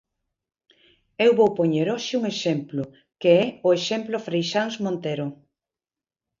Eu vou poñer hoxe un exemplo, que é o exemplo Freixáns-Montero.